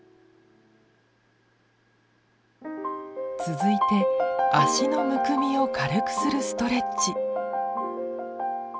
続いて脚のむくみを軽くするストレッチ。